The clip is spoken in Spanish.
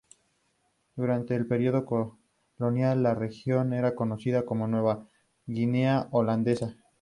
Durante el periodo colonial, la región era conocida como "Nueva Guinea Holandesa".